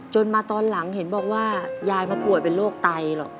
มาตอนหลังเห็นบอกว่ายายมาป่วยเป็นโรคไตหรอก